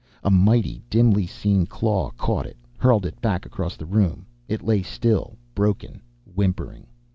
A mighty, dimly seen claw caught it, hurled it back across the room. It lay still, broken, whimpering.